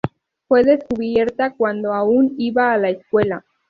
Fue descubierta cuando aún iba a la escuela.